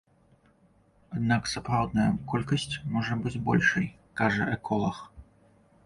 Аднак сапраўдная колькасць можа быць большай, кажа эколаг.